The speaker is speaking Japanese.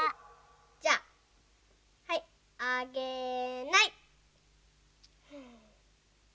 じゃあはいあげない！